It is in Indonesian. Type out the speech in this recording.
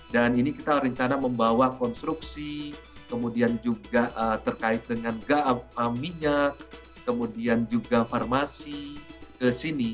dan ini kita rencana membawa konstruksi kemudian juga terkait dengan minyak kemudian juga farmasi ke sini